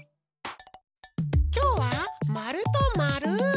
きょうはまるとまる。